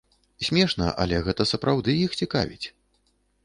Смешна, але гэта сапраўды іх цікавіць.